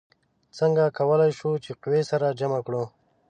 څنګه کولی شو چې قوې سره جمع کړو؟